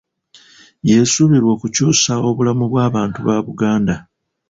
Y'esuubirwa okukyusa obulamu bw'abantu ba Buganda.